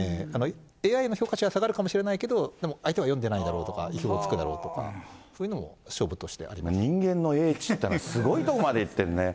ＡＩの評価値は下がるかもしれないけど、相手は読んでないだろうとか、意表を突くだろうとか、人間の英知っていうのはすごいところまでいってるね。